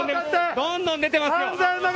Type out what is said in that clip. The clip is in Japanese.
どんどんで出ますよ！